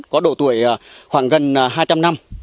có độ tuổi khoảng gần hai trăm linh năm